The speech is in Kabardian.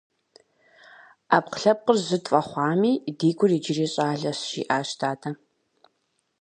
- Ӏэпкълъэпкъыр жьы тфӀэхъуами, ди гур иджыри щӀалэщ, - жиӏащ дадэ.